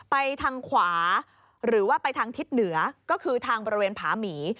ไปทางขวาหรือว่าไปทางทิศเหนือก็คือทางบริเวณผาหมี